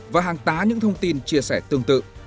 và hàng tá những thông tin chia sẻ tương tự